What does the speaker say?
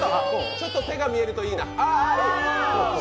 ちょっと手が見えるといいな。